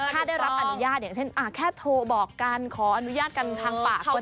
ถ้าได้รับอนุญาตอย่างเช่นแค่โทรบอกกันขออนุญาตกันทางปากก็ได้